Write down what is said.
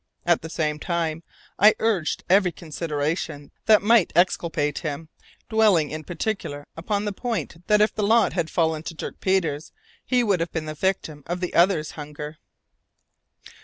At the same time I urged every consideration that might exculpate him, dwelling in particular upon the point that if the lot had fallen to Dirk Peters, he would have been the victim of the others' hunger.